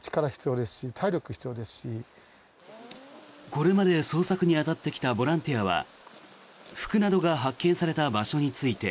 これまで捜索に当たってきたボランティアは服などが発見された場所について。